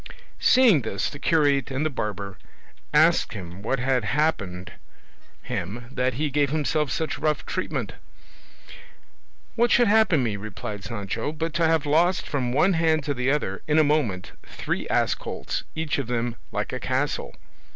Seeing this, the curate and the barber asked him what had happened him that he gave himself such rough treatment. "What should happen me?" replied Sancho, "but to have lost from one hand to the other, in a moment, three ass colts, each of them like a castle?"